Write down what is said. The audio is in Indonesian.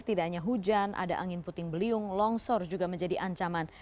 tidak hanya hujan ada angin puting beliung longsor juga menjadi ancaman